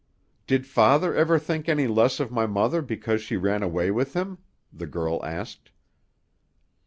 "Did father ever think any less of my mother because she ran away with him?" the girl asked.